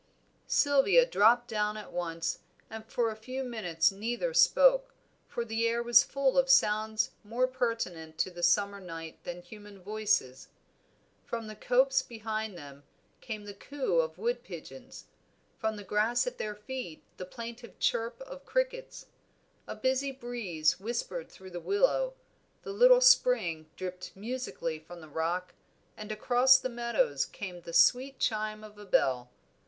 Sylvia dropped down at once, and for a few minutes neither spoke, for the air was full of sounds more pertinent to the summer night than human voices. From the copse behind them, came the coo of wood pigeons, from the grass at their feet the plaintive chirp of crickets; a busy breeze whispered through the willow, the little spring dripped musically from the rock, and across the meadows came the sweet chime of a bell.